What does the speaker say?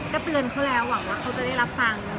ก็เตือนเขาแล้วหวังว่าเขาจะได้รับฟัง